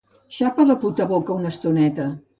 Xapa la puta boca una estoneta.